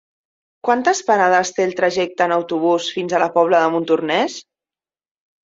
Quantes parades té el trajecte en autobús fins a la Pobla de Montornès?